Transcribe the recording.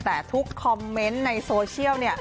แต่ทุกคอมเมนต์ในโซเชียลเนี่ย